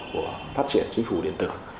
của phát triển chính phủ điện tử